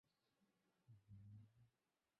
Ember আমাকে রক্ষা করবে।